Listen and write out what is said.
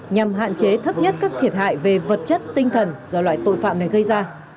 nhằm hạn chế thấp nhất các thiệt hại về vật chất tinh thần do loại tội phạm này gây ra